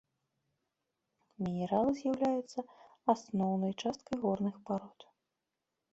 Мінералы з'яўляюцца асноўнай часткай горных парод.